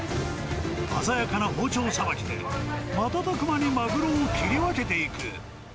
鮮やかな包丁さばきで、瞬く間にマグロを切り分けていく。